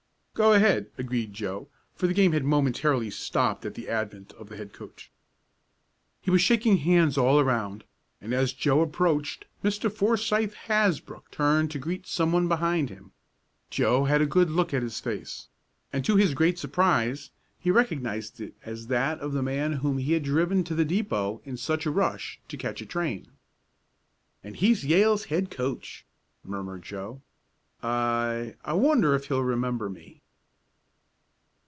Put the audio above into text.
"Go ahead," agreed Joe, for the game had momentarily stopped at the advent of the head coach. He was shaking hands all around, and, as Joe approached, Mr. Forsythe Hasbrook turned to greet someone behind him. Joe had a good look at his face, and to his great surprise he recognized it as that of the man whom he had driven to the depot in such a rush to catch a train. "And he's Yale's head coach!" murmured Joe. "I I wonder if he'll remember me?"